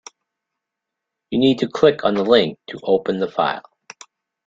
You need to click on the link to open the file